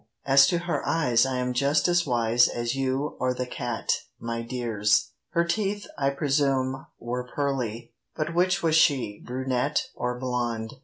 as to her eyes I am just as wise As you or the cat, my dears. Her teeth, I presume, were "pearly": But which was she, brunette or blonde?